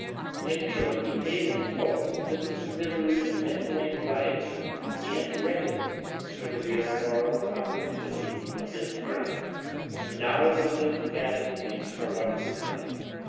In short, he paid in full in physical misery and mental anxiety and wretchedness for the real moral obliquity of his crime. The knowledge of this maddened him for what was coming.